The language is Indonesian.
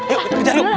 ayo kita kejar yuk